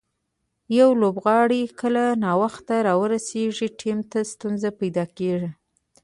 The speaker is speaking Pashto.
یو لوبغاړی کله ناوخته راورسېږي، ټیم ته ستونزه پېدا کیږي.